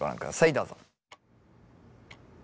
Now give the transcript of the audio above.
どうぞ。